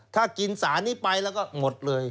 ถ้ากินสารนี้ไปแล้วก็หมดเลย